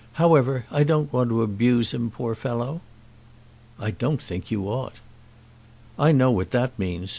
However, I don't want to abuse him, poor fellow." "I don't think you ought." "I know what that means.